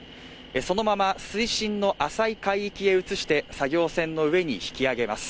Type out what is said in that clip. そのまま水深の浅い海域へ移して作業船の上に引き揚げます